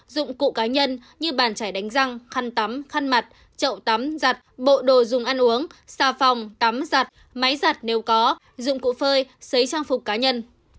dụng cụ cá nhân như bàn chải đánh răng khăn tắm khăn mặt chậu tắm giặt bộ đồ dùng ăn uống xà phòng tắm giặt máy giặt nếu có dụng cụ phơi xấy trang phục cá nhân